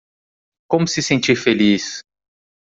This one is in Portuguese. Como se sentir feliz?